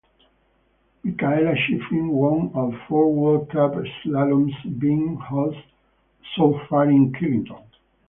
Mikaela Shiffrin won all four World Cup slaloms being host so far in Killington.